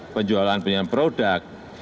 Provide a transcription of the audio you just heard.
penjualan punya produk